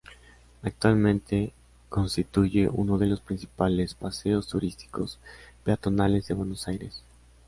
Actualmente constituye uno de los principales paseos turísticos peatonales de Buenos Aires.